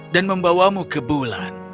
dan membawamu ke bulan